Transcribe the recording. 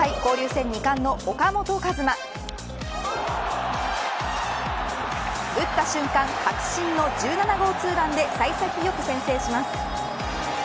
それでも初回交流戦二冠の岡本和真打った瞬間確信の１７号ツーランで幸先良く先制します。